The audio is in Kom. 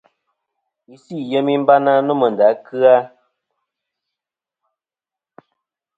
Isɨ i yemi bana nomɨ nda kɨ-a.